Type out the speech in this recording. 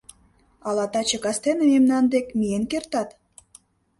Ала таче кастене мемнан дек миен кертат?